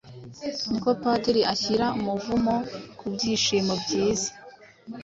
niko padiri ashyira umuvumo ku byishimo byiza.